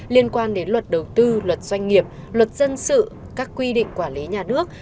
liên quan đến luật đầu tư luật doanh nghiệp luật dân sự các quy định quản lý nhà nước